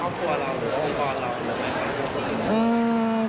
ครอบครัวเราหรือองค์กรเราหรือแบบนั้นครับ